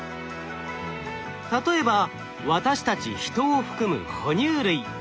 例えば私たちヒトを含むほ乳類。